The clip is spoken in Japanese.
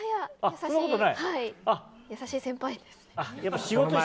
いや、優しい先輩です。